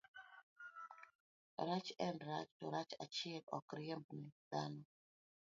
Rach en rach, to rach achiel ok riembne dhano.